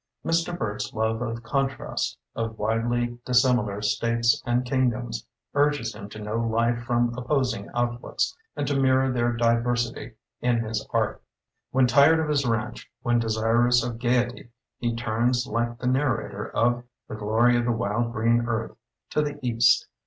Mr. Burt's love of contrast, of widely dissimilar states and kingdoms, urges him to know life from opposing outlooks and to mirror their diversity in his art. When tired of his ranch, when desirous of gayety, he turns like the narrator of "The Glory of the Wild Green Earth'" to the east.